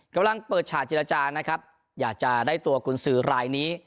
กำลังเปิดฉากเจรจานะครับอยากจะได้ตัวกุญสือรายนี้